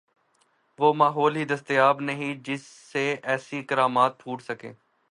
وہ ماحول ہی دستیاب نہیں جس سے ایسی کرامات پھوٹ سکیں۔